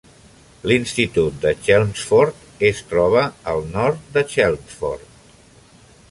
L'Institut de Chelmsford es troba al nord de Chelmsford.